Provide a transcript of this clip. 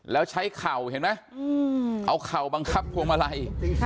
แล้วใช้เข่าเห็นไหมเอาเข่าบังคับพวงมาลัย